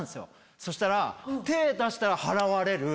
そしたら手出したら払われる。